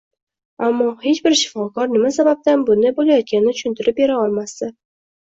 Ammo hech bir shifokor nima sababdan bunday bo`layotganini tushuntirib bera olmasdi